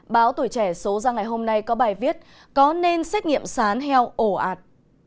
báo tuổi trẻ số ra ngày hôm nay có bài viết có nên xét nghiệm sán heo ổ ạt